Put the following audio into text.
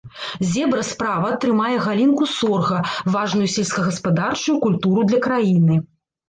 Зебра справа трымае галінку сорга, важную сельскагаспадарчую культуру для краіны.